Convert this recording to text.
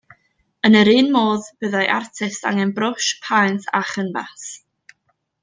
Yn yr un modd, byddai artist angen brwsh, paent a chynfas